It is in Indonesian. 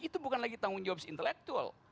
itu bukan lagi tanggung jawab intelektual